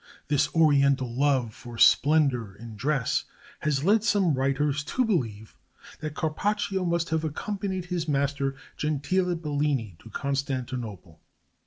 This oriental love for splendor in dress has led some writers to believe that Carpaccio must have accompanied his master Gentile Bellini to Constantinople.